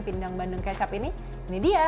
pindang bandeng kecap ini ini dia